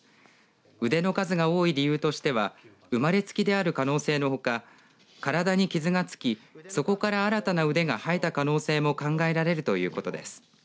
腕の数が多い理由としては生まれつきである可能性のほか体に傷が付き、そこから新たな腕が生えた可能性も考えられるということです。